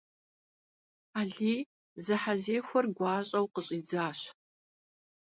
Aliy zehezexuer guaş'eu khış'idzaş.